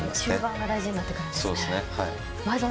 中盤が大事になってくるんですね。